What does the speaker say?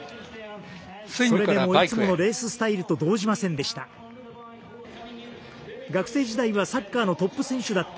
それでもいつものレーススタイルと動じませんでした。